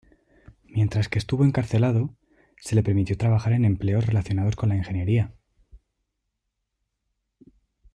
Mientras que estuvo encarcelado, se le permitió trabajar en empleos relacionados con la ingeniería.